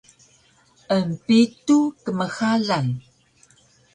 empitu kmxalan